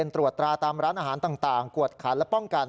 ตรวจตราตามร้านอาหารต่างกวดขันและป้องกัน